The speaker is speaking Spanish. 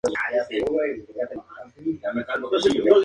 Ella está inscrita actualmente en Santa Monica College.